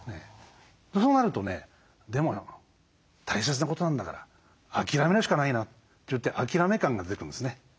そうなるとねでも大切なことなんだから諦めるしかないなといって諦め感が出てくるんですね。